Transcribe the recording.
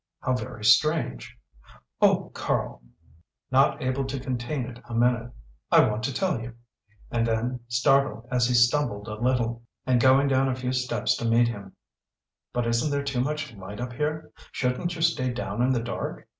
How very strange! "Oh, Karl!" not able to contain it a minute "I want to tell you " and then, startled as he stumbled a little, and going down a few steps to meet him "but isn't there too much light up here? Shouldn't you stay down in the dark?"